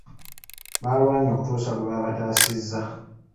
Baalwanye okutuusa lwe baabataasizza.